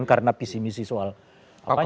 karena visi misi soal apa ya